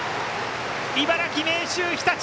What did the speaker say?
茨城・明秀日立